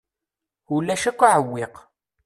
Ulac akk aɛewwiq.